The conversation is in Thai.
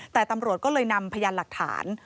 แต่ตำรวจก็เลยนำพยานหลักฐาน